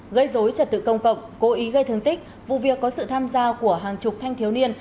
gây dối trật tự công cộng cố ý gây thương tích vụ việc có sự tham gia của hàng chục thanh thiếu niên